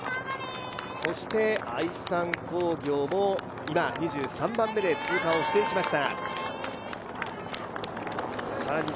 愛三工業も今、２３番目で通過をしていきました。